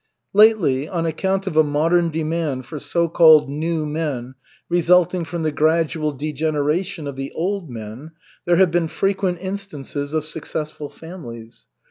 Lately, on account of a modern demand for so called "new men" resulting from the gradual degeneration of the old men, there have been frequent instances of successful families.